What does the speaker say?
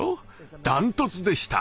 ダントツでした。